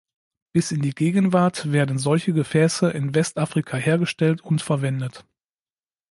Bis in die Gegenwart werden solche Gefäße in Westafrika hergestellt und verwendet.